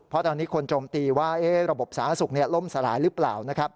เพราะตอนนี้คนโจมตีว่าระบบสาธารณสุขล่มสลายหรือเปล่านะครับ